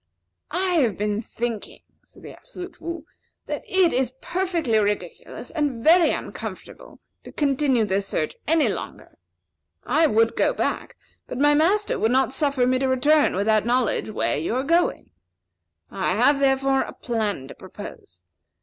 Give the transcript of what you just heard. "I have been thinking," said the Absolute Fool, "that it is perfectly ridiculous, and very uncomfortable, to continue this search any longer. I would go back, but my master would not suffer me to return without knowing where you are going. I have, therefore, a plan to propose.